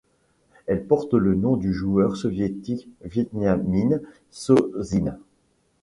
Elle porte le nom du joueur soviétique Veniamine Sozine.